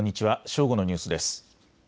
正午のニュースです。